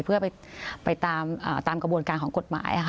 เพื่อไปตามกระบวนการของกฎหมาย